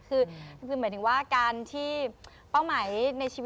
คือหมายถึงว่าการที่เป้าหมายในชีวิต